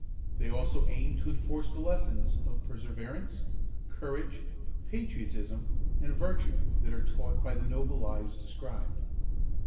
They also aim to enforce the lessons of perseverance, courage, patriotism, and virtue that are taught by the noble lives described.